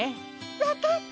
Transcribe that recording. わかった！